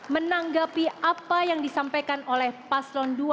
menanggapi apa yang disampaikan oleh paslon dua